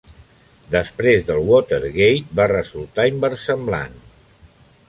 Després del Watergate, va resultar inversemblant.